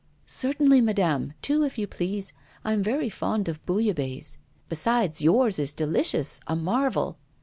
'Certainly, madame, two, if you please. I am very fond of bouillabaisse. Besides, yours is delicious, a marvel!